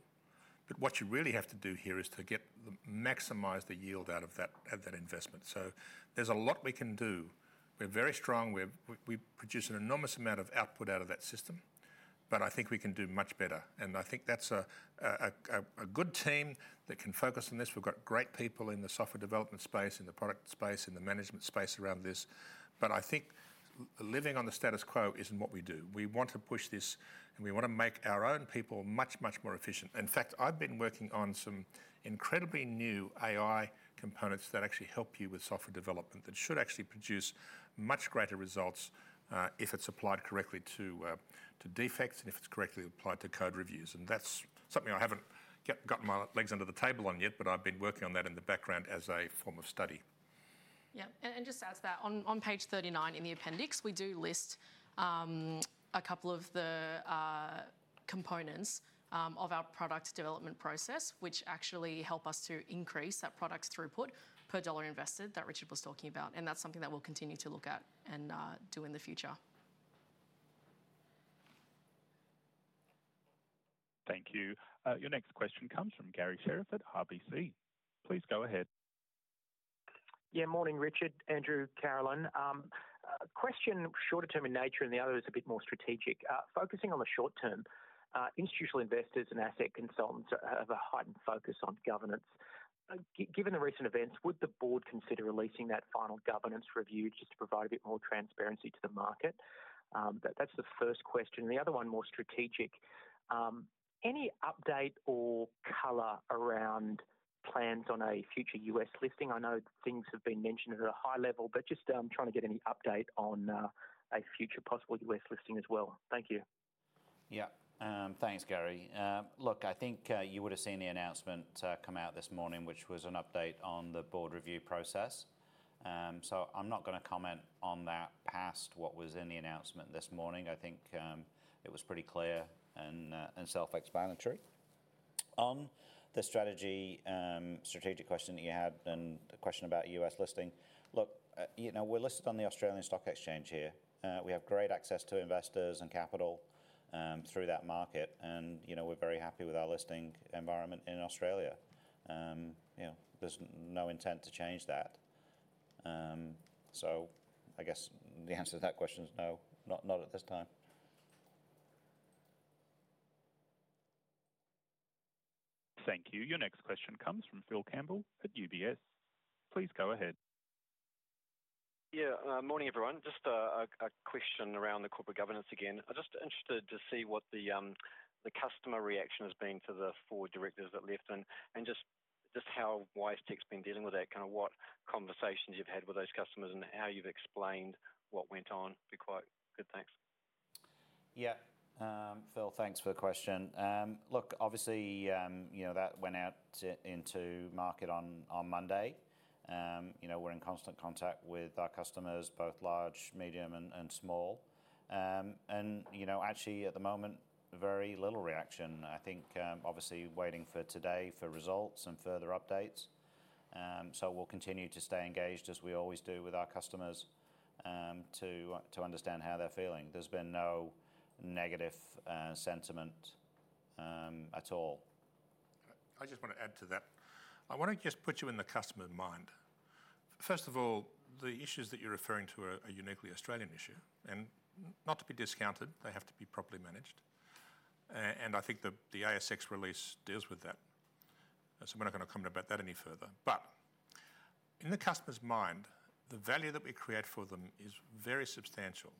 but what you really have to do here is to maximize the yield out of that investment. So there's a lot we can do. We're very strong. We produce an enormous amount of output out of that system, but I think we can do much better. And I think that's a good team that can focus on this. We've got great people in the software development space, in the product space, in the management space around this. But I think living on the status quo isn't what we do. We want to push this, and we want to make our own people much, much more efficient. In fact, I've been working on some incredibly new AI components that actually help you with software development that should actually produce much greater results if it's applied correctly to defects and if it's correctly applied to code reviews. And that's something I haven't got my legs under the table on yet, but I've been working on that in the background as a form of study. Yeah. And just to add to that, on page 39 in the appendix, we do list a couple of the components of our product development process, which actually help us to increase that product's throughput per dollar invested that Richard was talking about. That's something that we'll continue to look at and do in the future. Thank you. Your next question comes from Garry Sherriff at RBC. Please go ahead. Yeah, morning, Richard, Andrew, Caroline. Question, shorter-term in nature, and the other is a bit more strategic. Focusing on the short term, institutional investors and asset consultants have a heightened focus on governance. Given the recent events, would the board consider releasing that final governance review just to provide a bit more transparency to the market? That's the first question. And the other one, more strategic. Any update or color around plans on a future U.S. listing? I know things have been mentioned at a high level, but just trying to get any update on a future possible U.S. listing as well. Thank you. Yeah, thanks, Garry. Look, I think you would have seen the announcement come out this morning, which was an update on the board review process. So I'm not going to comment on that past what was in the announcement this morning. I think it was pretty clear and self-explanatory. On the strategic question that you had and the question about U.S. listing, look, we're listed on the Australian Stock Exchange here. We have great access to investors and capital through that market, and we're very happy with our listing environment in Australia. There's no intent to change that. So I guess the answer to that question is no, not at this time. Thank you. Your next question comes from Phil Campbell at UBS. Please go ahead. Yeah, Morning, everyone. Just a question around the corporate governance again. I'm just interested to see what the customer reaction has been to the four directors that left, and just how WiseTech's been dealing with that, kind of what conversations you've had with those customers and how you've explained what went on. Be quite good. Thanks. Yeah, Phil, thanks for the question. Look, obviously, that went out into market on Monday. We're in constant contact with our customers, both large, medium, and small. And actually, at the moment, very little reaction. I think, obviously, waiting for today for results and further updates. So we'll continue to stay engaged, as we always do, with our customers to understand how they're feeling. There's been no negative sentiment at all. I just want to add to that. I want to just put you in the customer's mind. First of all, the issues that you're referring to are a uniquely Australian issue. And not to be discounted, they have to be properly managed. And I think the ASX release deals with that. So we're not going to comment about that any further. But in the customer's mind, the value that we create for them is very substantial.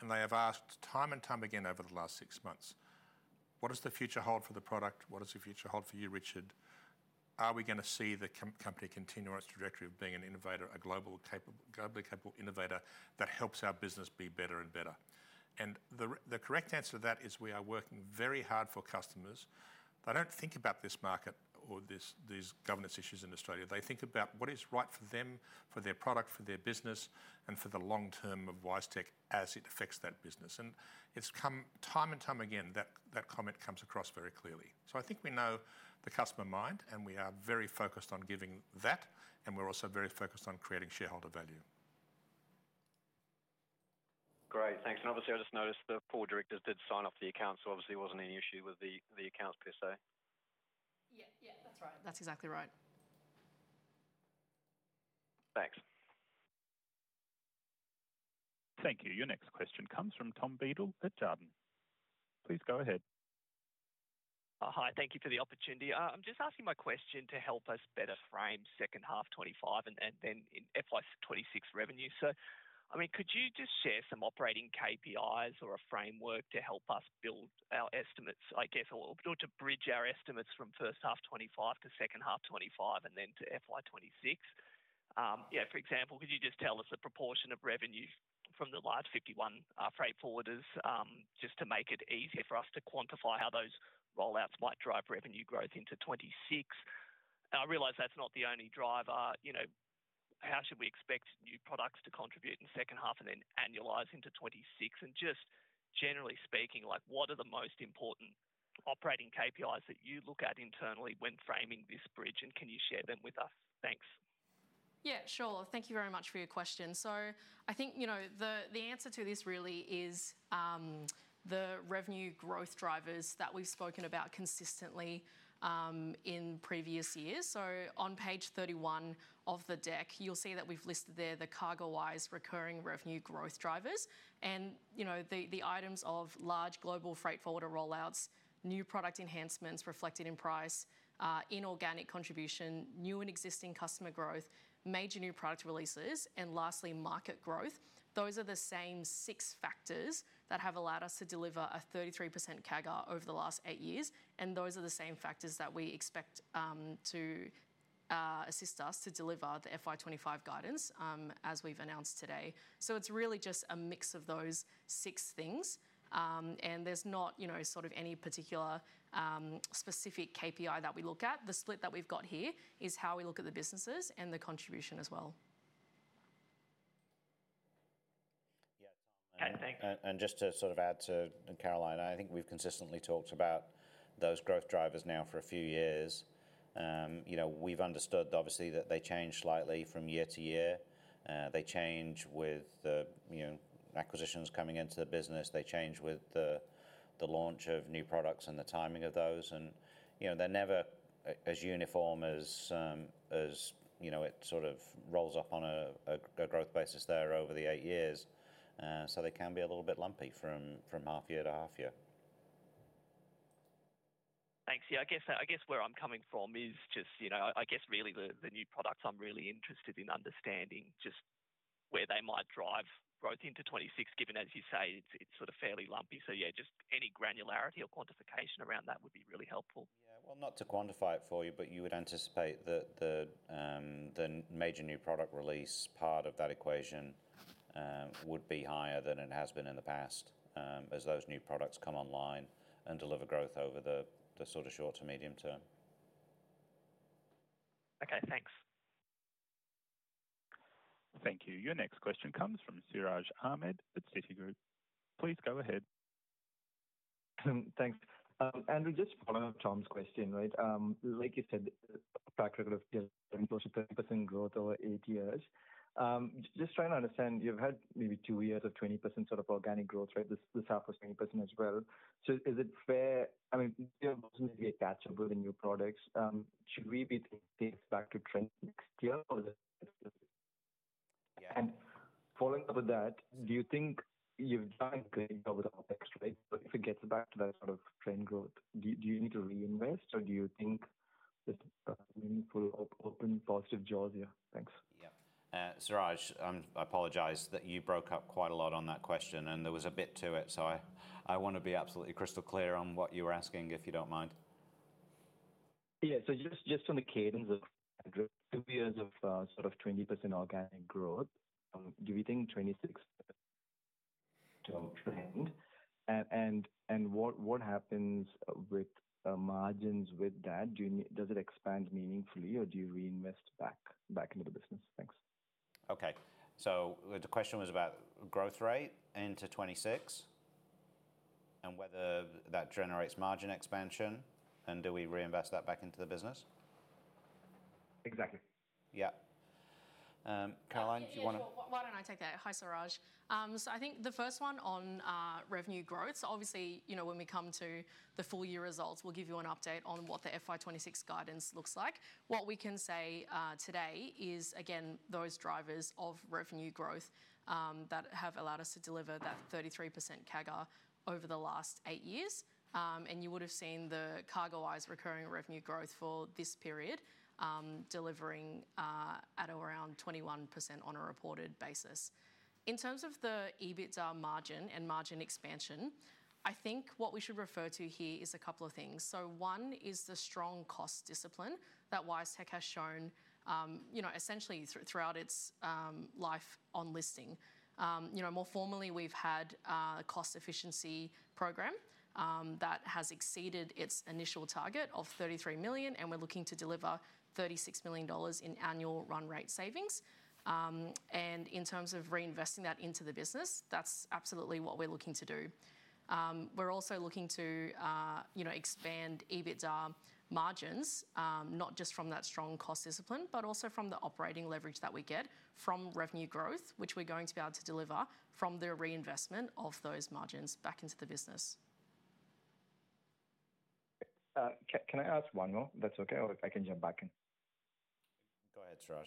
And they have asked time and time again over the last six months, "What does the future hold for the product? What does the future hold for you, Richard? Are we going to see the company continue on its trajectory of being a globally capable innovator that helps our business be better and better?" And the correct answer to that is we are working very hard for customers. They don't think about this market or these governance issues in Australia. They think about what is right for them, for their product, for their business, and for the long term of WiseTech as it affects that business. And it's come time and time again that that comment comes across very clearly. So I think we know the customer mind, and we are very focused on giving that, and we're also very focused on creating shareholder value. Great. Thanks. And obviously, I just noticed the four directors did sign off the accounts, so obviously, there wasn't any issue with the accounts per se. Yeah, yeah, that's right. That's exactly right. Thanks. Thank you. Your next question comes from Tom Beadle at Jarden. Please go ahead. Hi, thank you for the opportunity. I'm just asking my question to help us better frame second half 2025 and then in FY 2026 revenue. So, I mean, could you just share some operating KPIs or a framework to help us build our estimates, I guess, or to bridge our estimates from first half 2025 to second half 2025 and then to FY 2026? Yeah, for example, could you just tell us the proportion of revenue from the last 51 freight forwarders just to make it easier for us to quantify how those rollouts might drive revenue growth into 2026? I realize that's not the only driver. How should we expect new products to contribute in the second half and then annualize into 2026? And just generally speaking, what are the most important operating KPIs that you look at internally when framing this bridge, and can you share them with us? Thanks. Yeah, sure. Thank you very much for your question. So I think the answer to this really is the revenue growth drivers that we've spoken about consistently in previous years. So on page 31 of the deck, you'll see that we've listed there the CargoWise recurring revenue growth drivers and the items of large global freight forwarder rollouts, new product enhancements reflected in price, inorganic contribution, new and existing customer growth, major new product releases, and lastly, market growth. Those are the same six factors that have allowed us to deliver a 33% CAGR over the last eight years. And those are the same factors that we expect to assist us to deliver the FY 2025 guidance as we've announced today. So it's really just a mix of those six things. And there's not sort of any particular specific KPI that we look at. The split that we've got here is how we look at the businesses and the contribution as well. Yeah, Tom. And just to sort of add to Caroline, I think we've consistently talked about those growth drivers now for a few years. We've understood, obviously, that they change slightly from year-to-year. They change with acquisitions coming into the business. They change with the launch of new products and the timing of those. And they're never as uniform as it sort of rolls up on a growth basis there over the eight years. So they can be a little bit lumpy from half year to half year. Thanks. Yeah, I guess where I'm coming from is just, I guess, really the new products I'm really interested in understanding just where they might drive growth into 2026, given, as you say, it's sort of fairly lumpy. So, yeah, just any granularity or quantification around that would be really helpful. Yeah, well, not to quantify it for you, but you would anticipate that the major new product release part of that equation would be higher than it has been in the past as those new products come online and deliver growth over the sort of short to medium term. Okay, thanks. Thank you. Your next question comes from Siraj Ahmed at Citi. Please go ahead. Thanks. Andrew, just following up Tom's question, right? Like you said, practically 10% growth over eight years. Just trying to understand, you've had maybe two years of 20% sort of organic growth, right? This half was 20% as well. So is it fair? I mean, there's going to be a catch-up with the new products. Should we be thinking back to trend next year? And following up with that, do you think you've done a good job with OpEx, right? If it gets back to that sort of trend growth, do you need to reinvest, or do you think there's some meaningful, open, positive jaws here? Thanks. Yeah. Siraj, I apologize that you broke up quite a lot on that question, and there was a bit to it. So I want to be absolutely crystal clear on what you were asking, if you don't mind. Yeah, so just on the cadence of two years of sort of 20% organic growth, do we think 2026 to trend? And what happens with margins with that? Does it expand meaningfully, or do you reinvest back into the business? Thanks. Okay. So the question was about growth rate into 2026 and whether that generates margin expansion, and do we reinvest that back into the business? Exactly. Yeah. Caroline, do you want to? Why don't I take that? Hi, Siraj. So I think the first one on revenue growth, obviously, when we come to the full year results, we'll give you an update on what the FY 2026 guidance looks like. What we can say today is, again, those drivers of revenue growth that have allowed us to deliver that 33% CAGR over the last eight years. And you would have seen the CargoWise recurring revenue growth for this period, delivering at around 21% on a reported basis. In terms of the EBITDA margin and margin expansion, I think what we should refer to here is a couple of things. So one is the strong cost discipline that WiseTech has shown essentially throughout its life on listing. More formally, we've had a cost efficiency program that has exceeded its initial target of 33 million, and we're looking to deliver 36 million dollars in annual run rate savings. In terms of reinvesting that into the business, that's absolutely what we're looking to do. We're also looking to expand EBITDA margins, not just from that strong cost discipline, but also from the operating leverage that we get from revenue growth, which we're going to be able to deliver from the reinvestment of those margins back into the business. Can I ask one more? That's okay, or if I can jump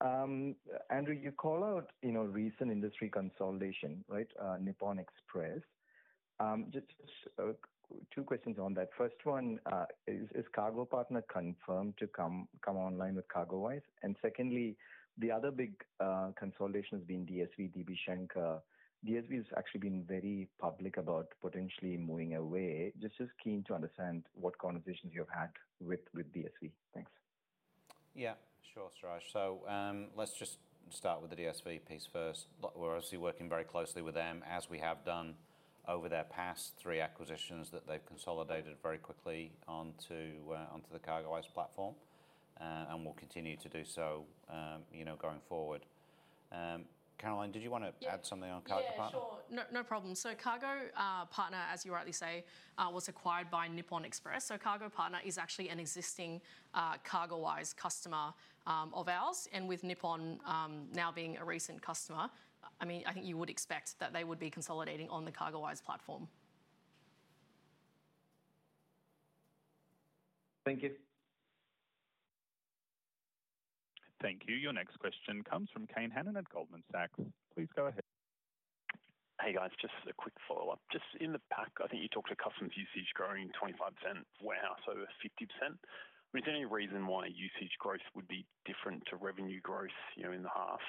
back in. Go ahead, Siraj. Andrew, you call out recent industry consolidation, right? Nippon Express. Just two questions on that. First one, is cargo-partner confirmed to come online with CargoWise? And secondly, the other big consolidation has been DSV, DB Schenker. DSV has actually been very public about potentially moving away. Just as keen to understand what conversations you've had with DSV. Thanks. Yeah, sure, Siraj. So let's just start with the DSV piece first. We're obviously working very closely with them, as we have done over their past three acquisitions that they've consolidated very quickly onto the CargoWise platform, and we'll continue to do so going forward. Caroline, did you want to add something on cargo-partner? Yeah, sure. No problem. So cargo-partner, as you rightly say, was acquired by Nippon Express. So cargo-partner is actually an existing CargoWise customer of ours, and with Nippon now being a recent customer, I mean, I think you would expect that they would be consolidating on the CargoWise platform. Thank you. Thank you. Your next question comes from Kane Hannan at Goldman Sachs. Please go ahead. Hey, guys, just a quick follow-up. Just in the back, I think you talked to customers' usage growing 25%, warehouse over 50%. Is there any reason why usage growth would be different to revenue growth in the half?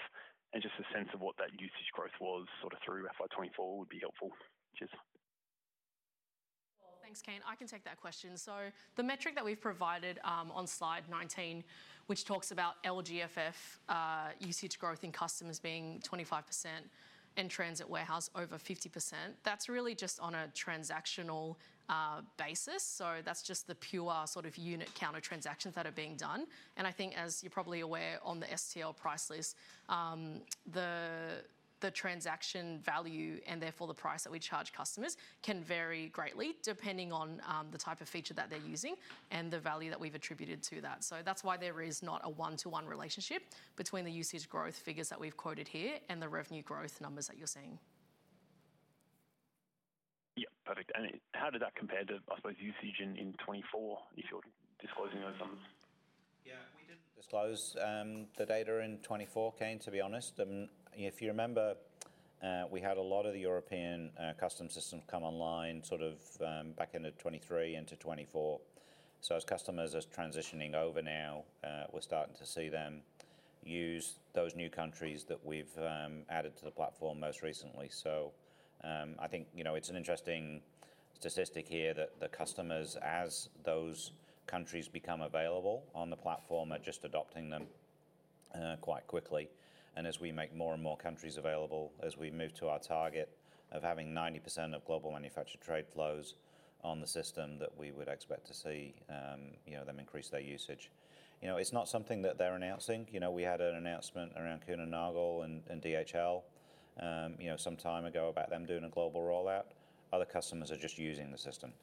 And just a sense of what that usage growth was sort of through FY 2024 would be helpful. Thanks, Kane. I can take that question. So the metric that we've provided on slide 19, which talks about LGFF usage growth in customers being 25% and transit warehouse over 50%, that's really just on a transactional basis. So that's just the pure sort of unit counter transactions that are being done. And I think, as you're probably aware, on the STL price list, the transaction value and therefore the price that we charge customers can vary greatly depending on the type of feature that they're using and the value that we've attributed to that. So that's why there is not a one-to-one relationship between the usage growth figures that we've quoted here and the revenue growth numbers that you're seeing. Yeah, perfect. And how did that compare to, I suppose, usage in 2024, if you're disclosing those numbers? Yeah, we didn't disclose the data in 2024, Kane, to be honest. If you remember, we had a lot of the European customs systems come online sort of back into 2023 into 2024. So as customers are transitioning over now, we're starting to see them use those new countries that we've added to the platform most recently. So I think it's an interesting statistic here that the customers, as those countries become available on the platform, are just adopting them quite quickly. And as we make more and more countries available, as we move to our target of having 90% of global manufactured trade flows on the system, that we would expect to see them increase their usage. It's not something that they're announcing. We had an announcement around Kuehne+Nagel and DHL some time ago about them doing a global rollout. Other customers are just using the system.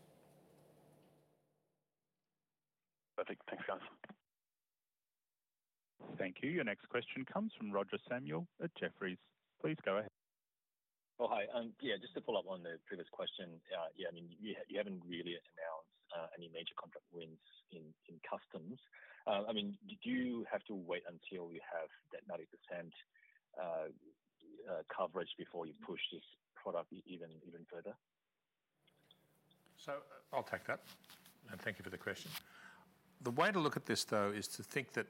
Perfect. Thanks, guys. Thank you. Your next question comes from Roger Samuel at Jefferies. Please go ahead. Oh, hi. Yeah, just to follow up on the previous question, yeah, I mean, you haven't really announced any major contract wins in customs. I mean, do you have to wait until you have that 90% coverage before you push this product even further? So I'll take that. And thank you for the question. The way to look at this, though, is to think that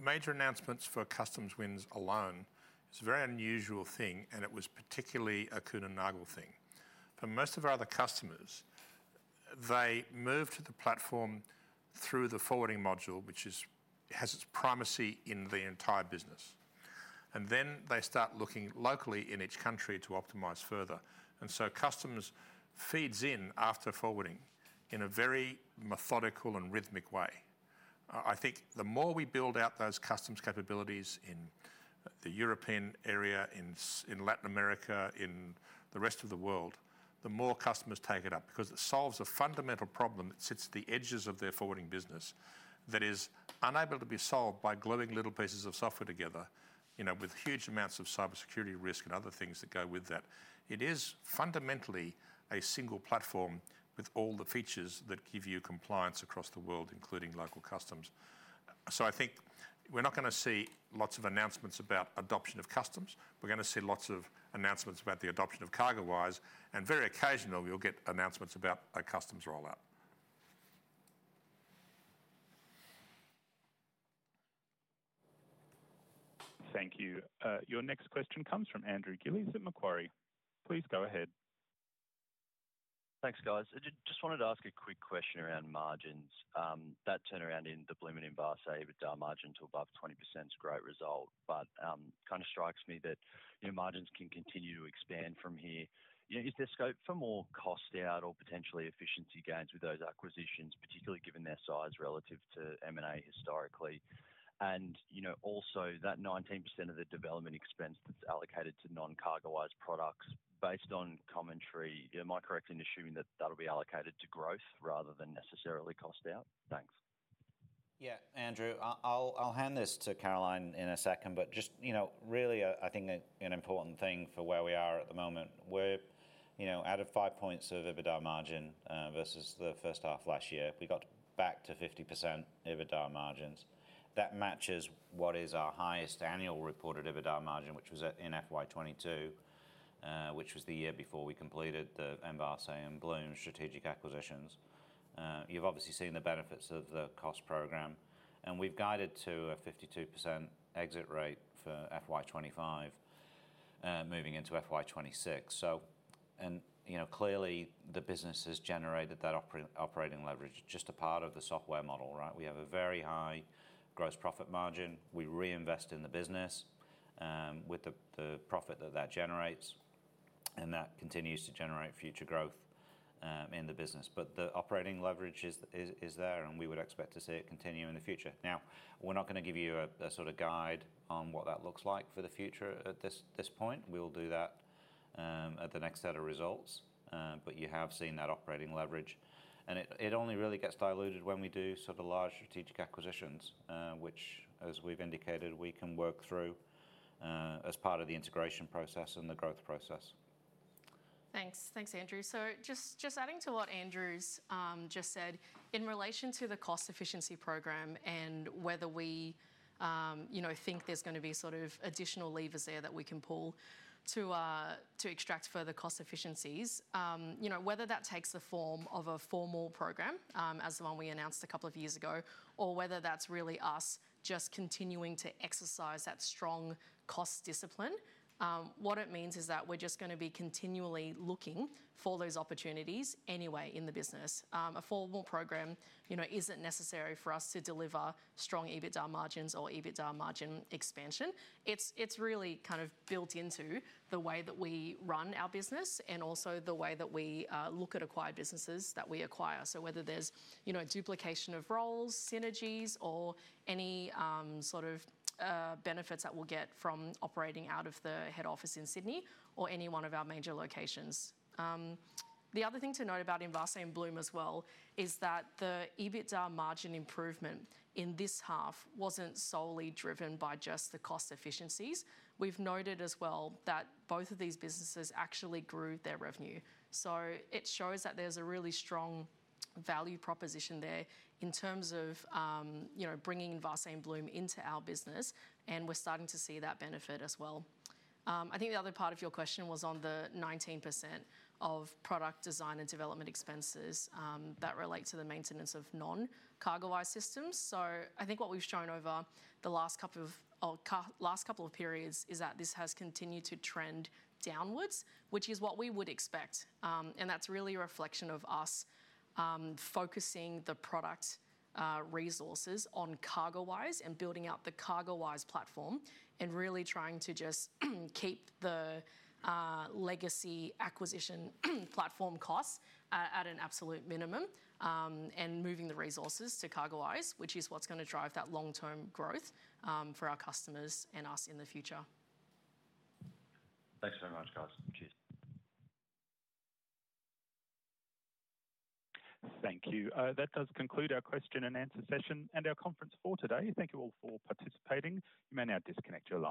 major announcements for customs wins alone is a very unusual thing, and it was particularly a Kuehne+Nagel thing. For most of our other customers, they moved to the platform through the forwarding module, which has its primacy in the entire business, and then they start looking locally in each country to optimize further, and so customs feeds in after forwarding in a very methodical and rhythmic way. I think the more we build out those customs capabilities in the European area, in Latin America, in the rest of the world, the more customers take it up because it solves a fundamental problem that sits at the edges of their forwarding business that is unable to be solved by gluing little pieces of software together with huge amounts of cybersecurity risk and other things that go with that. It is fundamentally a single platform with all the features that give you compliance across the world, including local customs. So I think we're not going to see lots of announcements about adoption of customs. We're going to see lots of announcements about the adoption of CargoWise, and very occasionally, we'll get announcements about a customs rollout. Thank you. Your next question comes from Andrew Gillies at Macquarie. Please go ahead. Thanks, guys. Just wanted to ask a quick question around margins. That turnaround in the Blume and BSM with margin to above 20% is a great result, but it kind of strikes me that margins can continue to expand from here. Is there scope for more cost out or potentially efficiency gains with those acquisitions, particularly given their size relative to M&A historically? And also that 19% of the development expense that's allocated to non-CargoWise products, based on commentary, am I correct in assuming that that'll be allocated to growth rather than necessarily cost out? Thanks. Yeah, Andrew, I'll hand this to Caroline in a second, but just really, I think an important thing for where we are at the moment. Out of five points of EBITDA margin versus the first half last year, we got back to 50% EBITDA margins. That matches what is our highest annual reported EBITDA margin, which was in FY 2022, which was the year before we completed the M&A and Blume strategic acquisitions. You've obviously seen the benefits of the cost program. And we've guided to a 52% exit rate for FY 2025, moving into FY 2026. And clearly, the business has generated that operating leverage just a part of the software model, right? We have a very high gross profit margin. We reinvest in the business with the profit that that generates, and that continues to generate future growth in the business, but the operating leverage is there, and we would expect to see it continue in the future. Now, we're not going to give you a sort of guide on what that looks like for the future at this point. We'll do that at the next set of results, but you have seen that operating leverage, and it only really gets diluted when we do sort of large strategic acquisitions, which, as we've indicated, we can work through as part of the integration process and the growth process. Thanks. Thanks, Andrew. Just adding to what Andrew's just said, in relation to the cost efficiency program and whether we think there's going to be sort of additional levers there that we can pull to extract further cost efficiencies, whether that takes the form of a formal program, as the one we announced a couple of years ago, or whether that's really us just continuing to exercise that strong cost discipline, what it means is that we're just going to be continually looking for those opportunities anyway in the business. A formal program isn't necessary for us to deliver strong EBITDA margins or EBITDA margin expansion. It's really kind of built into the way that we run our business and also the way that we look at acquired businesses that we acquire. So whether there's duplication of roles, synergies, or any sort of benefits that we'll get from operating out of the head office in Sydney or any one of our major locations. The other thing to note about Envase and Blume as well is that the EBITDA margin improvement in this half wasn't solely driven by just the cost efficiencies. We've noted as well that both of these businesses actually grew their revenue. So it shows that there's a really strong value proposition there in terms of bringing Envase and Blume into our business, and we're starting to see that benefit as well. I think the other part of your question was on the 19% of product design and development expenses that relate to the maintenance of non-CargoWise systems. So I think what we've shown over the last couple of periods is that this has continued to trend downwards, which is what we would expect. And that's really a reflection of us focusing the product resources on CargoWise and building out the CargoWise platform and really trying to just keep the legacy acquisition platform costs at an absolute minimum and moving the resources to CargoWise, which is what's going to drive that long-term growth for our customers and us in the future. Thanks very much, guys. Cheers. Thank you. That does conclude our question and answer session and our conference for today. Thank you all for participating. You may now disconnect your line.